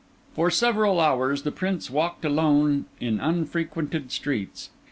For several hours the Prince walked alone in unfrequented streets.